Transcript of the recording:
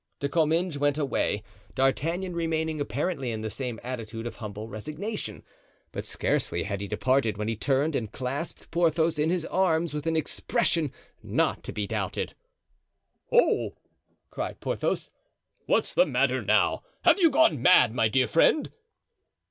De Comminges went away, D'Artagnan remaining apparently in the same attitude of humble resignation; but scarcely had he departed when he turned and clasped Porthos in his arms with an expression not to be doubted. "Oh!" cried Porthos; "what's the matter now? Have you gone mad, my dear friend?"